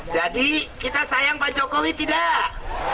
jadi kita sayang pak jokowi tidak